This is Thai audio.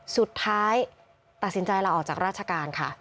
สุดท้ายตัดสินใจลาออกจากราชการค่ะ